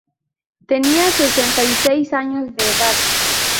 Tenía sesenta y seis años de edad.